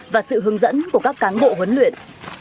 và sự hướng dẫn của các cán bộ huấn luyện